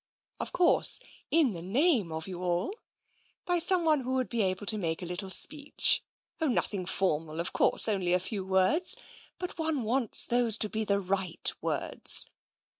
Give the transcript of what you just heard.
Of course, in the name of you all, by someone who would be able to make a little speech. Oh, nothing formal, of course, only a few words, but one wants those to be the right words